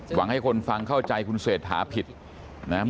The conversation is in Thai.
หวังให้คนฟังเข้าใจคุณเศรษฐาผิดนะครับ